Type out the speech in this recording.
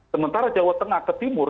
sementara jawa tengah ke timur